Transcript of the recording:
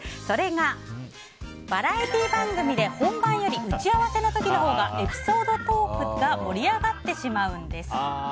それが、バラエティー番組で本番より打ち合わせの時のほうがエピソードトークが盛り上がってしまうんです。